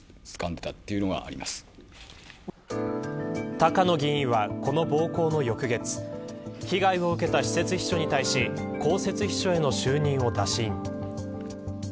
高野議員はこの暴行の翌月被害を受けた私設秘書に対し公設秘書への就任を打診。